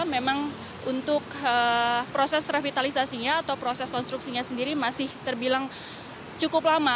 memang untuk proses revitalisasinya atau proses konstruksinya sendiri masih terbilang cukup lama